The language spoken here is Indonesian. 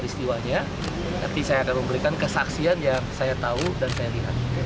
tapi saya akan memberikan kesaksian yang saya tahu dan saya lihat